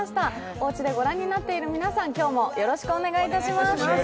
おうちで御覧になっている皆さん、今日もよろしくお願いします。